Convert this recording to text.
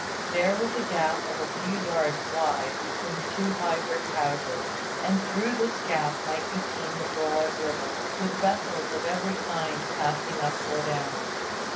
There was a gap of a few yards wide between two high brick houses: and through this gap might be seen the broad river, with vessels of every kind passing up or down.